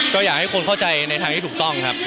ก็อยากให้คนเข้าใจในทางที่ถูกต้องครับ